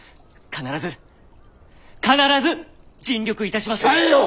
必ず必ず尽力いたしますゆえ。